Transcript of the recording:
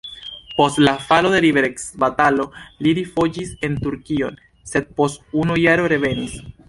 Post la falo de liberecbatalo li rifuĝis en Turkion, sed post unu jaro revenis.